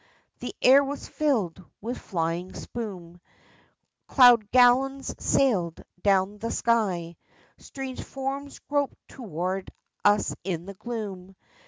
The air was filled with flying spume, Cloud galleons sailed down the sky. Strange forms groped toward us in the gloom.